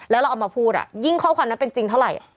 แล้วเราเอามาพูดอะยิ่งข้อควรอันนี้เป็นจริงเท่าไหร่อ่ะ